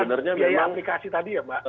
ya dari penghapuskan biaya aplikasi tadi ya mbak